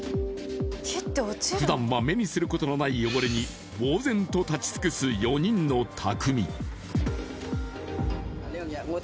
ふだんは目にすることのない汚れにぼう然立ち尽くす４人の匠。